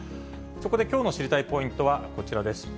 そこできょうの知りたいポイントはこちらです。